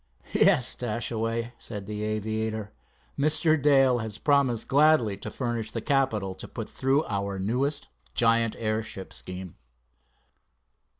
"Yes, Dashaway," said the aviator, "Mr. Dale has promised gladly to furnish the capital to put through our newest giant airship scheme."